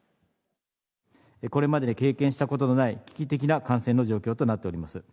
これまでに経験したことのない危機的な感染の状況となっております。